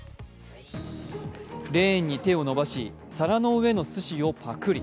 レーンに手を伸ばし、皿の上のすしをパクリ。